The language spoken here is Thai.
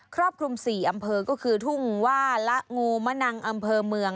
รอบคลุม๔อำเภอก็คือทุ่งว่าละงูมะนังอำเภอเมือง